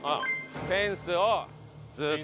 フェンスをずっと。